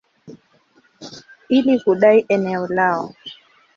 ili kudai eneo lao.